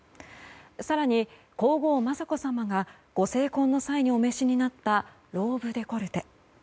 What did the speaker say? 更に皇后・雅子さまがご成婚の際にお召しになったローブデコルテ。